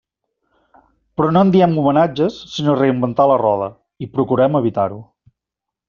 Però no en diem “homenatges”, sinó “reinventar la roda” i procurem evitar-ho.